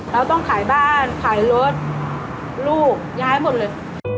เราต้องขายบ้านขายรถลูกย้ายหมดเลย